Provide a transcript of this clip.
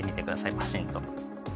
パシンと。